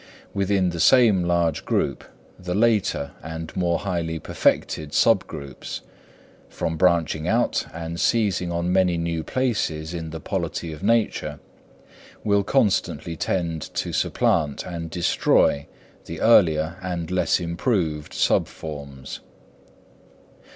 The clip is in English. Within the same large group, the later and more highly perfected sub groups, from branching out and seizing on many new places in the polity of nature, will constantly tend to supplant and destroy the earlier and less improved sub groups.